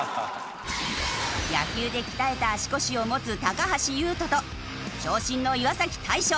野球で鍛えた足腰を持つ橋優斗と長身の岩大昇。